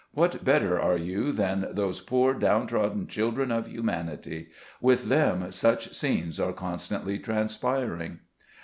What better are you than those poor down trodden children of humanity? With them, such scenes are constantly transpiring.